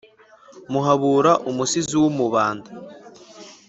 muhabura, umusizi w'umubanda.